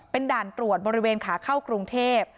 เป็นด่านตรวจบริเวณขาเข้ากรุงเทพ